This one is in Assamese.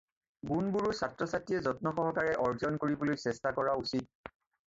গুণবােৰো ছাত্ৰ-ছাত্ৰীয়ে যত্ন সহকাৰে অৰ্জন কৰিবলৈ চেষ্টা কৰা উচিত।